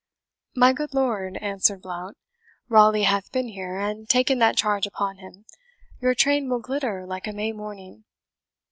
"My good lord," answered Blount, "Raleigh hath been here, and taken that charge upon him your train will glitter like a May morning.